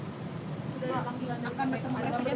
sudah ada panggilan dari pak